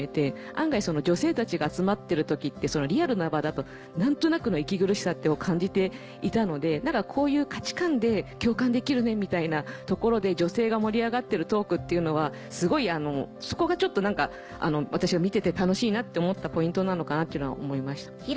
案外女性たちが集まってる時ってリアルな場だと何となくの息苦しさっていうのを感じていたのでこういう価値観で共感できるねみたいなところで女性が盛り上がってるトークっていうのはすごいそこが私が見てて楽しいなって思ったポイントなのかなっていうのは思いました。